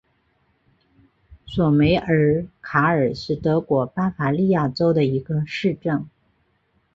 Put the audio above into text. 索梅尔卡尔是德国巴伐利亚州的一个市镇。